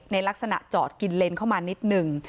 ในลักษณะจอดกินเลนเข้ามานิดนึง